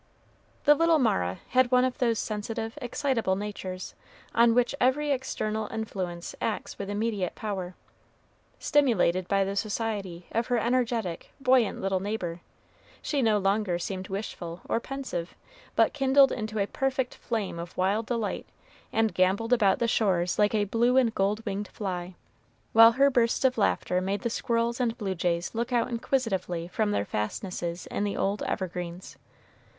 The little Mara had one of those sensitive, excitable natures, on which every external influence acts with immediate power. Stimulated by the society of her energetic, buoyant little neighbor, she no longer seemed wishful or pensive, but kindled into a perfect flame of wild delight, and gamboled about the shore like a blue and gold winged fly; while her bursts of laughter made the squirrels and blue jays look out inquisitively from their fastnesses in the old evergreens.